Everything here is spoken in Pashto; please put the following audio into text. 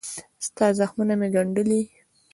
ستا زخمونه مې ګنډلي